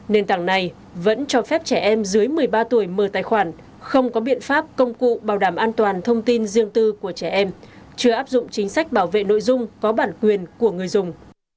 nền tảng này vẫn cho phép trẻ em dưới một mươi ba tuổi mở tài khoản không có biện pháp công cụ bảo đảm an toàn thông tin riêng tư của trẻ em chưa áp dụng chính sách bảo vệ nội dung có bản quyền của người dùng